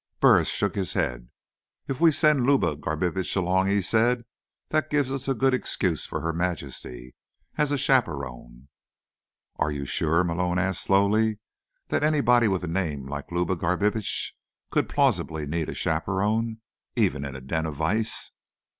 Burris shook his head. "If we send Luba Garbitsch along," he said, "that gives us a good excuse for Her Majesty. As a chaperone." "Are you sure," Malone asked slowly, "that anybody with a name like Luba Garbitsch could plausibly need a chaperone? Even in a den of vice?